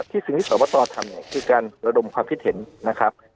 สิ่งที่สวทำเนี่ยคือการระดมความคิดเห็นนะครับ